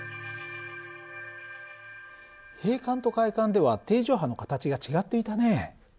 閉管と開管では定常波の形が違っていたね。